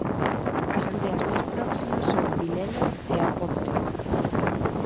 As aldeas máis próximas son Vilela e A Ponte.